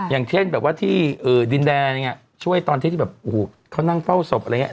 อย่างเช่นแบบว่าที่ดินแดงช่วยตอนที่แบบโอ้โหเขานั่งเฝ้าศพอะไรอย่างนี้